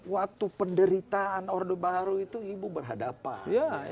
waktu penderitaan orde baru itu ibu berhadapan